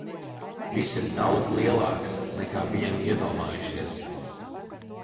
Viss ir daudz lielāks, nekā bijām iedomājušies.